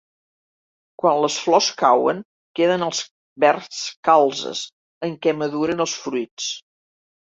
Quan les flors cauen queden els verds calzes en què maduren els fruits.